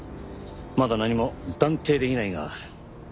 まだ何も断定できないが。